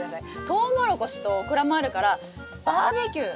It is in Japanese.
トウモロコシとオクラもあるからバーベキュー！